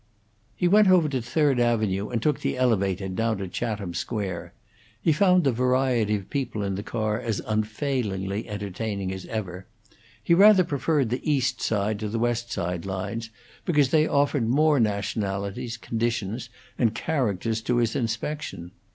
He went over to Third Avenue and took the Elevated down to Chatham Square. He found the variety of people in the car as unfailingly entertaining as ever. He rather preferred the East Side to the West Side lines, because they offered more nationalities, conditions, and characters to his inspection.